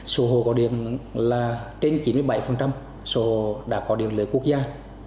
số hồ có điện là trên chín mươi bảy số hồ đã có điện lấy quốc gia